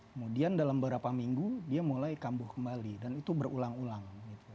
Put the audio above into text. kemudian dalam beberapa minggu dia mulai kambuh kembali dan itu berulang ulang